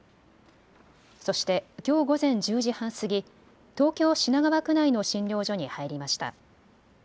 そしてきょう午前１０時半過ぎ、東京品川区内の診療所に入りました。